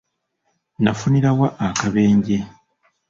Nafunira wa akabenje?